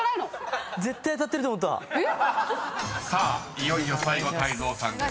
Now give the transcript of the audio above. ［いよいよ最後泰造さんです。